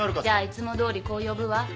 じゃあいつもどおりこう呼ぶわ。